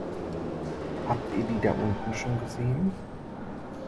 Habt ihr die da unten schon gesehen?